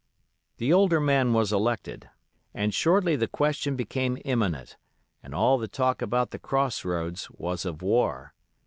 The older man was elected, and shortly the question became imminent, and all the talk about the Cross roads was of war.